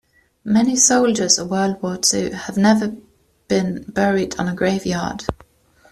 Many soldiers of world war two have never been buried on a grave yard.